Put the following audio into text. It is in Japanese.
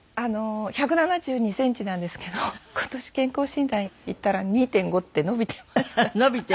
１７２センチなんですけど今年健康診断行ったら１７２．５って伸びてました。